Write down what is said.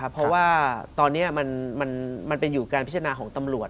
เพราะว่าตอนนี้มันเป็นอยู่การพิจารณาของตำรวจ